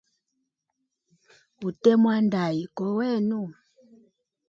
Ute mwanda ayi kowa wenu.